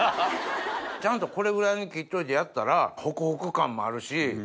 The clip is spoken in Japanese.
ちゃんとこれぐらいに切っといてやったらホクホク感もあるし。